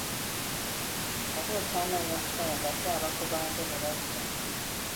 Oba okyanoonya ssente ate abakubanja ne bajja.